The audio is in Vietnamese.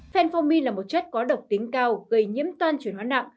phenformin là một chất có độc tính cao gây nhiễm toàn truyền hoá nặng